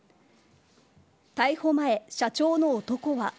逮捕前、社長の男は。